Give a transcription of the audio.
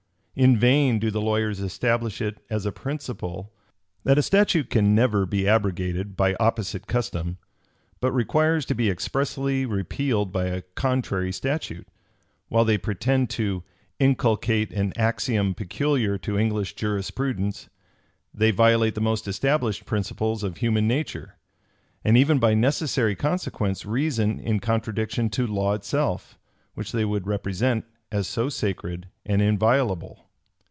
In vain do the lawyers establish it as a principle, that a statute can never be abrogated by opposite custom; but requires to be expressly repealed by a contrary statute: while they pretend to inculcate an axiom peculiar to English jurisprudence, they violate the most established principles of human nature; and even by necessary consequence reason in contradiction to law itself, which they would represent as so sacred and inviolable.